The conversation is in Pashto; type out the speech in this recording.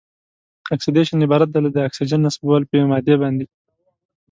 اکسیدیشن عبارت دی له د اکسیجن نصبول په یوې مادې باندې.